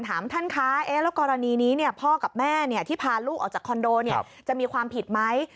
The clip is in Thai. ถามท่านคะแล้วกรณีนี้พ่อกับแม่ที่พาลูกออกจากคอนโดจะมีความผิดไหม